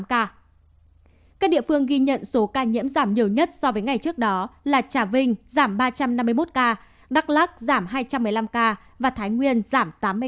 các địa phương ghi nhận số ca nhiễm giảm nhiều nhất so với ngày trước đó là trà vinh giảm ba trăm năm mươi một ca đắk lắc giảm hai trăm một mươi năm ca và thái nguyên giảm tám mươi ba